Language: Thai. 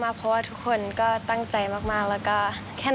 เพราะว่าทุกคนก็ตั้งใจมากแล้วก็แค่